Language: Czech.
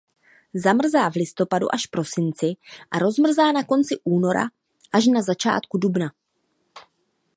Zamrzá v listopadu až prosinci a rozmrzá na konci února až na začátku dubna.